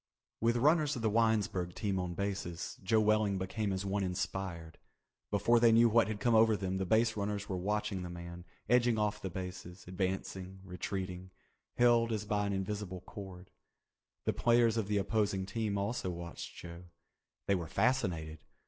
With runners of the Winesburg team on bases, Joe Welling became as one inspired. Before they knew what had come over them, the base runners were watching the man, edging off the bases, advancing, retreating, held as by an invisible cord. The players of the opposing team also watched Joe. They were fascinated.